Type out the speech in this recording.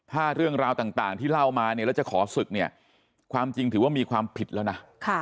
ถ้าเรื่องราวต่างที่เล่ามาเนี่ยแล้วจะขอศึกเนี่ยความจริงถือว่ามีความผิดแล้วนะ